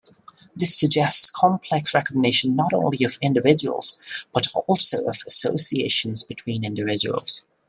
This suggests complex recognition not only of individuals, but also of associations between individuals.